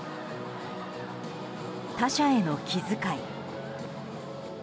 他者への気遣い。